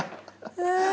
うわ。